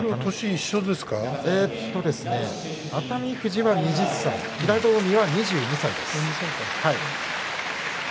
富士は２０歳平戸海は２２歳です。